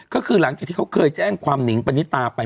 ก็คือหลังจากที่เขาเคยแจ้งความหนิงปณิตาไป